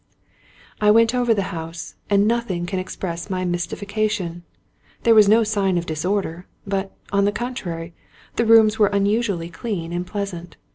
I went over the house, and nothing can express my mys tification. There was no sign of disorder, but, on the con trary, the rooms were unusually clean and pleasant.